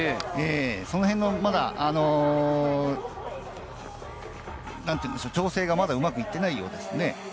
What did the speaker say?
そのへんの調整がまだうまくいっていないようですね。